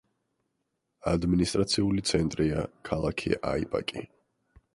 ადმინისტრაციული ცენტრია ქალაქი აიბაკი.